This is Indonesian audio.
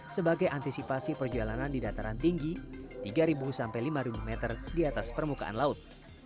sebagai antisipasi perjalanan di dataran tinggi tiga sampai lima meter di atas permukaan laut